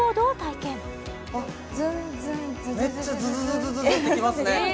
めっちゃズズズズズズってきますね